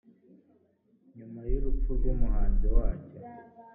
nyuma y urupfu rw umuhanzi wacyo